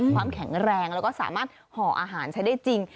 ความแข็งแรงแล้วก็สามารถห่ออาหารใช้ได้จริง